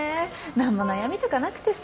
何も悩みとかなくてさ。